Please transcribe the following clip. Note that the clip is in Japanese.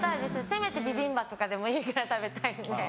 せめてビビンバとかでもいいから食べたいんで。